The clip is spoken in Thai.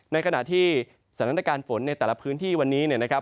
ในขณะที่สถานการณ์ฝนในแต่ละพื้นที่วันนี้เนี่ยนะครับ